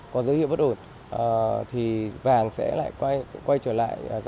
có dấu hiệu bất ổn thì vàng sẽ lại quay trở lại